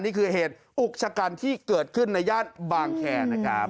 นี่คือเหตุอุกชะกันที่เกิดขึ้นในย่านบางแคร์นะครับ